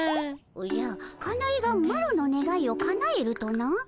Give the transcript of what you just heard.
おじゃかなえがマロのねがいをかなえるとな？